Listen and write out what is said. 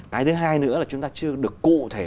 cái thứ hai nữa là chúng ta chưa được cụ thể